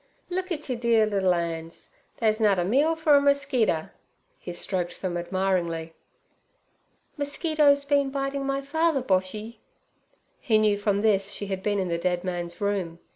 'Look et yer dear liddle 'ands! They's nut a meal for a merskeeter.' He stroked them admiringly. 'Mosquitoes been biting my father, Boshy?' He knew from this she had been in the dead man's room.